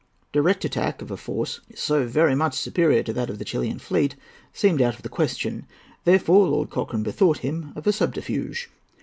Direct attack of a force so very much superior to that of the Chilian fleet seemed out of the question. Therefore Lord Cochrane bethought him of a subterfuge.